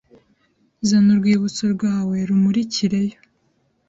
Zana urwibutso rwawe rumurikireyo